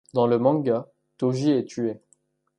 Dans le manga, Toji est tué.